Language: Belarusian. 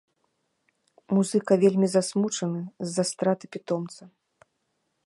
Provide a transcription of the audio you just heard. Музыка вельмі засмучаны з-за страты пітомца.